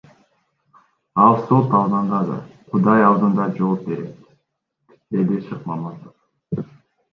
Ал сот алдында да, Кудай алдында да жооп берет, — деди Шыкмаматов.